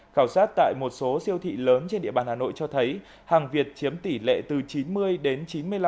khảo sát tại một số siêu thị lớn trên địa bàn hà nội cho thấy hàng việt chiếm tỷ lệ từ chín mươi đến chín mươi năm